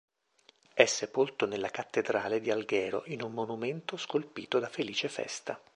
È sepolto nella cattedrale di Alghero, in un monumento scolpito da Felice Festa.